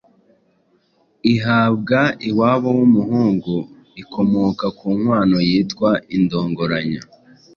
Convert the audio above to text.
ihabwa iwabo w’umuhungu ikomoka ku nkwano yitwa Indongoranyo